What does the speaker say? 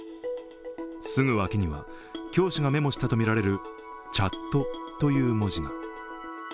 すぐ脇には、教師がメモしたとみられる「チャット」という文字が。